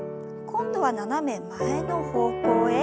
今度は斜め前の方向へ。